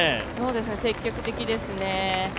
積極的ですね。